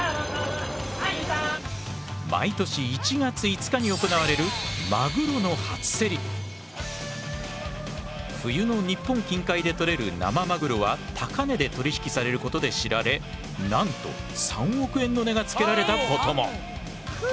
毎年１月５日に行われる冬の日本近海で取れる生マグロは高値で取り引きされることで知られなんと３億円の値が付けられたことも！